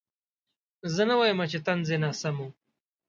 زه نه وایم چې طنز یې ناسم و.